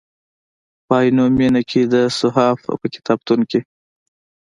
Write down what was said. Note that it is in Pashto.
په عینومېنه کې د صحاف په کتابتون کې.